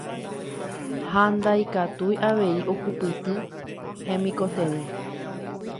ha ndaikatúi avei ohupyty hemikotevẽ.